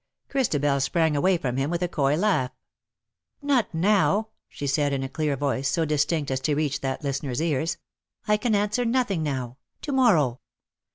Christabel sprang away from him with a coy laugh. " Not now,"*^ she said, in a clear voice, so distinct as to reach that listener's cars. " I can answer nothing now. To morrow."